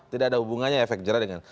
tidak ada hubungannya efek jerah dengan